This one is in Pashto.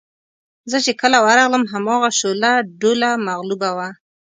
زه چې کله ورغلم هماغه شوله ډوله مغلوبه وه.